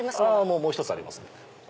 もう１つありますね。